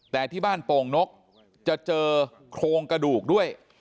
แต่ที่บ้านโป่งนกจะเจอโครงกระดูกด้วย